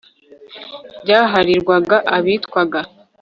byaharirwaga abitwaga